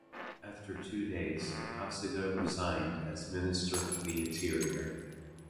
After two days, Cossiga resigned as Minister of the Interior.